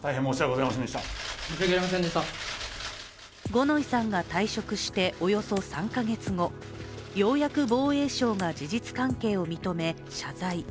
五ノ井さんが退職しておよそ３か月後、ようやく防衛省が事実関係を認め、謝罪。